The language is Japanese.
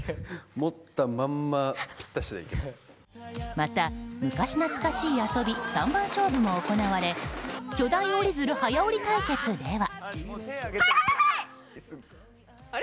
また、昔懐かしい遊び３番勝負も行われ巨大折り鶴早折り対決では。